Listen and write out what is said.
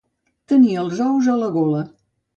Tenir els ous a la gola.